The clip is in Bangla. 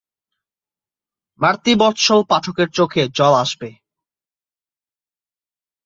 মাতৃবৎসল পাঠকের চোখে জল আসবে।